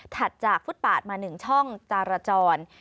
ถัดจากฟุตปาดมาหนึ่งช่องจารจร